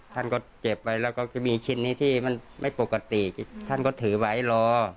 ท่านก็เก็บไว้แล้วก็จะมีชิ้นนี้ที่มันไม่ปกติท่านก็ถือไว้รอ